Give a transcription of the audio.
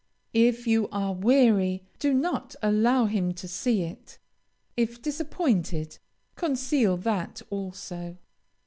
If you are weary, do not allow him to see it. If disappointed, conceal that also.